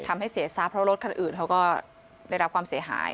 ทำให้เสียทรัพย์เพราะรถคันอื่นเขาก็ได้รับความเสียหาย